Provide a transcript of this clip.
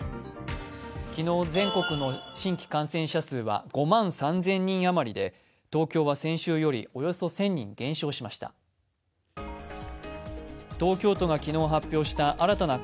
昨日、全国の新規感染者数は５万３０００人余りで東京は先週よりおよそ１０００人、減少しました。